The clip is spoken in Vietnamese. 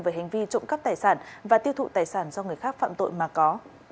về hành vi trộm cắp tài sản và tiêu thụ tài sản do người khác phạm tội mà có